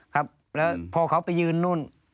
ครับแล้วพอเขาไปยืนนู่น